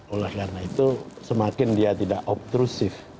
oleh karena itu semakin dia tidak obtrusif